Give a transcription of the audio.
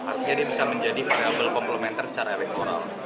artinya ini bisa menjadi variable complementer secara elektoral